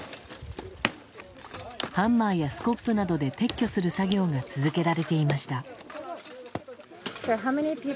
ハンマーやスコップなどで撤去する作業が続けられていました。